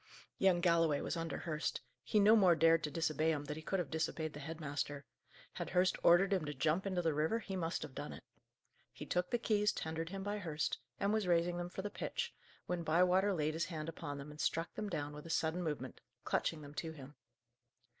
Young Galloway was under Hurst. He no more dared to disobey him than he could have disobeyed the head master. Had Hurst ordered him to jump into the river he must have done it. He took the keys tendered him by Hurst, and was raising them for the pitch, when Bywater laid his hand upon them and struck them down with a sudden movement, clutching them to him.